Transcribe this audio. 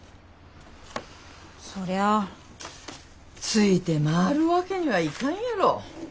ついて回るわけにはいかんやろ。